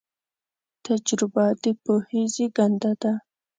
تجربه د پوهې زېږنده ده.